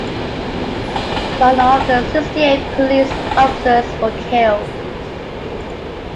None of the sixty-eight police officers were killed.